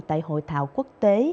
tại hội thảo quốc tế